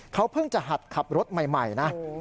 เขาเพิ่งจะหัดขับรถใหม่นะ